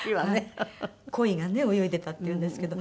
コイがね泳いでたって言うんですけど。